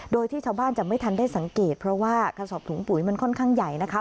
โดยที่ชาวบ้านจะไม่ทันได้สังเกตเพราะว่ากระสอบถุงปุ๋ยมันค่อนข้างใหญ่นะคะ